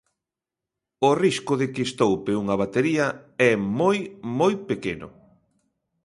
O risco de que estoupe unha batería é moi, moi pequeno.